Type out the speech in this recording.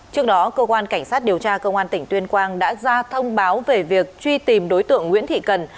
trước đó cơ quan cảnh sát điều tra công an tỉnh tuyên quang đã ra thông báo về việc truy tìm đối tượng nguyễn thị cần